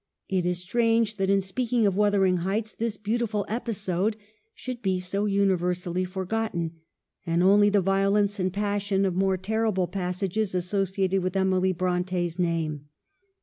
It is strange that in speaking of ' Wuthering Heights ' this beautiful episode should be so universally forgotten, and only the violence and passion of more terrible passages associated with Emily Brontes name.